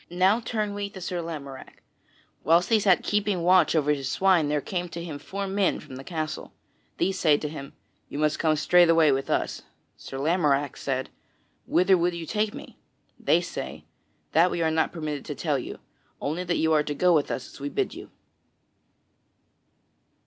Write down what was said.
Now turn we to Sir Lamorack: whilst he sat keeping watch over his swine there came to him four men from the castle. These say to him, "You must come straightway with us." Sir Lamorack said, "Whither would you take me?" They say: "That we are not permitted to tell you, only that you are to go with us as we bid you."